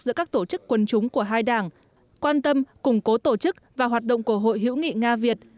giữa các tổ chức quân chúng của hai đảng quan tâm củng cố tổ chức và hoạt động của hội hữu nghị nga việt